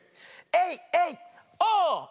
エイエイオー！